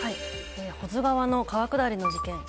保津川の川下りの事件。